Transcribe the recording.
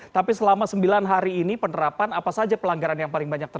tapi selama sembilan hari ini penerapan apa saja pelanggaran yang pernah dilakukan